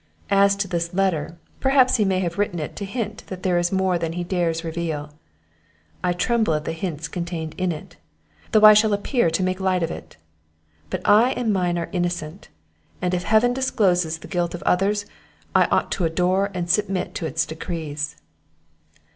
As to this letter, perhaps he may have written it to hint that there is more than he dares reveal; I tremble at the hints contained in it, though I shall appear to make light of it. But I and mine are innocent; and if Heaven discloses the guilt of others, I ought to adore and submit to its decrees."